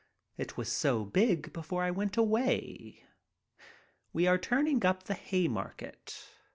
It was so big before I went away. We are turning up the Haymarket.